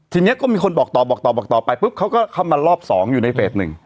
ทีนี้ก็มีคนบอกต่อบอกต่อบอกต่อไปปุ๊บเขาก็เข้ามารอบ๒อยู่ในเฟส๑